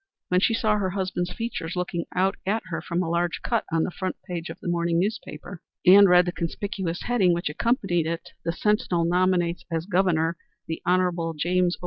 When she saw her husband's features looking out at her from a large cut on the front page of the morning newspaper, and read the conspicuous heading which accompanied it "The Sentinel nominates as Governor the Hon. James O.